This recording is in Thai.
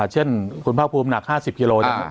เช่นคุณภาคภูมิหนัก๕๐กิโล